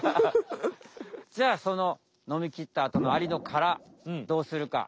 じゃあそののみきったあとのアリのからどうするか。